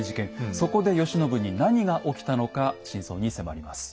そこで慶喜に何が起きたのか真相に迫ります。